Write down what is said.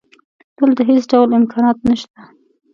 دلته هېڅ ډول امکانات نشته